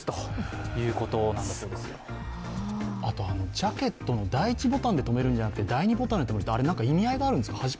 ジャケットを第１ボタンで留めるんじゃなくて、第２ボタンで留めるって意味あるんですか？